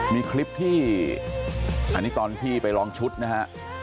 มีคลิปที่อันนี้ตอนที่ไปลองชุดนะฮะ